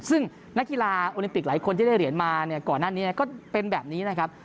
ซึ่งนักกีฬาโอลิมปิกหลายคนที่ได้เหรียญมาเนี่ยก่อนหน้านี้ก็เป็นแบบนี้นะครับ